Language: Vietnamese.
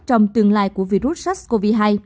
trong tương lai của virus sars cov hai